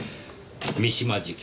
三島事件。